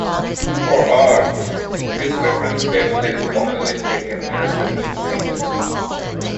For Earth, this reference level is commonly taken as the mean sea level.